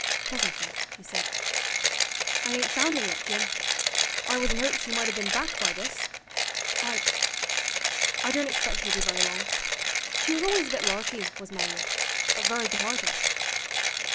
Presently he said: 'I ain't found 'er yet, Jin; I was in 'opes she might 'a' bin back by this. I I don't expect she'll be very long. She was alwis a bit larky, was Melier; but very good 'arted.'